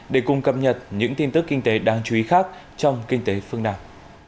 để cùng cập nhật những tin tức kinh tế đáng chú ý khác trong kinh tế phương nam